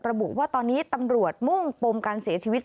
ระบุว่าตอนนี้ตำรวจมุ่งปมการเสียชีวิต